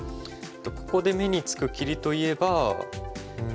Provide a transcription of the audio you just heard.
ここで目につく切りといえば。